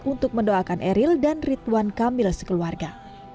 untuk mendoakan eril dan ridwan kamil sekeluarga